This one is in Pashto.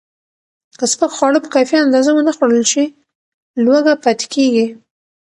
که سپک خواړه په کافي اندازه ونه خورل شي، لوږه پاتې کېږي.